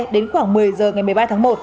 đến khoảng một mươi h ngày một mươi ba tháng một